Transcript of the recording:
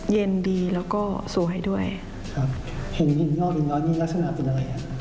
เย็นดีแล้วก็สวยด้วยครับเห็นหินย่อหินย้อนนี่ลักษณะเป็นอะไร